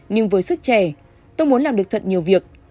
nhưng với sức trẻ tôi muốn làm được thật nhiều việc